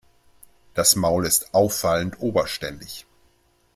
Das Maul ist auffallend oberständig.